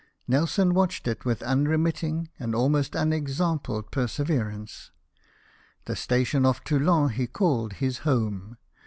Nelson watched it with unremitting and almost unexampled per severance. The station ofl' Toulon he called his home.